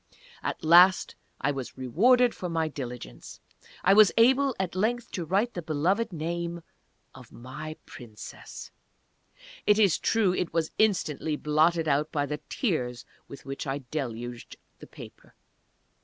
At last I was rewarded for my diligence. I was able at length to write the beloved name of my Princess! It is true it was instantly blotted out by the tears with which I deluged the paper!